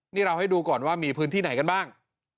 นี่เราให้ดูก่อนว่ามีพื้นที่ไหนกันบ้าง